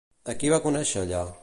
A qui va conèixer allà?